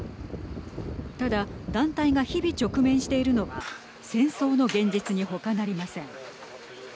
ただ、団体が日々直面しているのは戦争の現実に、ほかなりません。